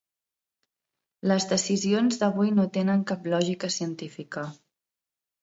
Les decisions d’avui no tenen cap lògica científica.